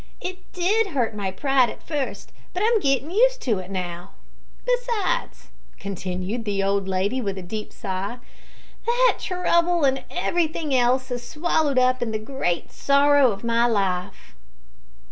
It did hurt my pride at first, but I'm gettin' used to it now. Besides," continued the old lady, with a deep sigh, "that trouble and everything else is swallowed up in the great sorrow of my life."